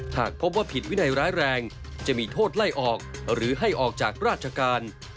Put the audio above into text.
หากพบว่าผิดวินัยร้ายแรงจะมีโทษไล่ออกหรือให้ออกจากราชการ